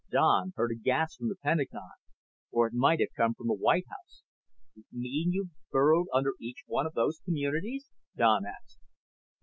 Don heard a gasp from the Pentagon or it might have come from the White House. "You mean you've burrowed under each one of those 'communities'?" Don asked.